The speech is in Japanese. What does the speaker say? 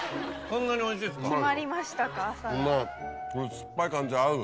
酸っぱい感じ合う。